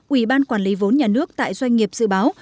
ủy ban quản lý vốn nhà nước tại doanh nghiệp dự báo